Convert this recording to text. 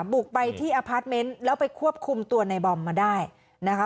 บุกไปที่อพาร์ทเมนต์แล้วไปควบคุมตัวในบอมมาได้นะคะ